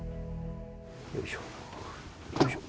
よいしょよいしょ。